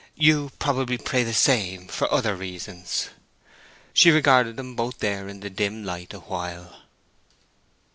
You probably pray the same—for other reasons." She regarded them both there in the dim light a while.